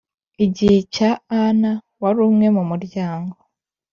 gihe cya Ana wari umwe mu muryango